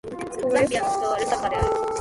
ザンビアの首都はルサカである